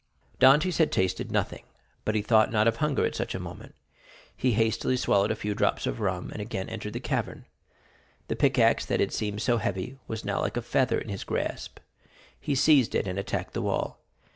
Dantès had tasted nothing, but he thought not of hunger at such a moment; he hastily swallowed a few drops of rum, and again entered the cavern. The pickaxe that had seemed so heavy, was now like a feather in his grasp; he seized it, and attacked the wall.